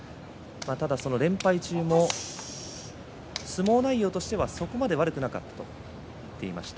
ただ連敗中も相撲内容はそこまで悪くなかったと言っていました。